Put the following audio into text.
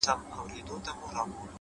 پوهه له لټون سره پراخیږي.!